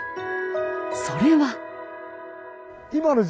それは。